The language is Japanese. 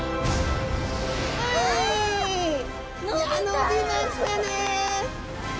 いや伸びましたね！